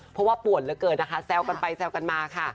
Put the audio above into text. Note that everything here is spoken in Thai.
เพราะว่าป่วนเหลือเกินนะคะแซวกันไปแซวกันมาค่ะ